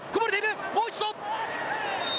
もう一度！